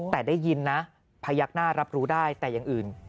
แต่ได้ยินนะพยักหน้ารับรู้ได้แต่อย่างอื่น